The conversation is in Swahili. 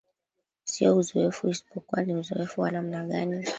sio uzoefu isipokuwa ni uzoefu wa namna gani